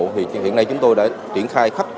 hiện nay chúng tôi đã triển khai khắp